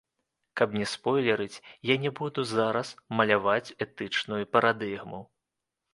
Каб не спойлерыць, я не буду зараз маляваць этычную парадыгму.